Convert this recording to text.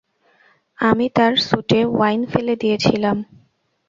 আমি তার স্যুটে ওয়াইন ফেলে দিয়েছিলাম।